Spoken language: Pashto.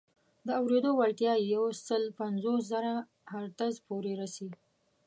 د اورېدو وړتیا یې یو سل پنځوس زره هرتز پورې رسي.